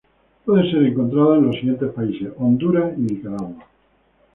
Puede ser encontrada en los siguientes países: Honduras y Nicaragua.